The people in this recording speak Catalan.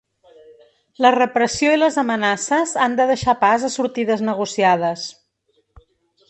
La repressió i les amenaces han de deixar pas a sortides negociades.